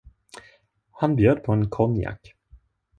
Han bjöd på en konjak.